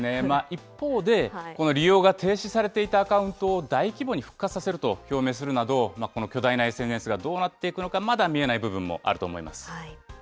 一方で、この利用が停止されていたアカウントを大規模に復活させると表明するなど、この巨大なＳＮＳがどうなっていくのか、まだ見えない部分もあると思います。